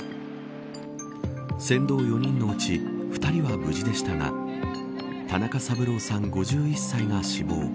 船頭４人のうち２人は無事でしたが田中三郎さん、５１歳が死亡。